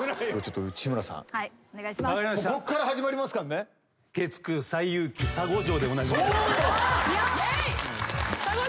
こっから始まりますからね。イェイ。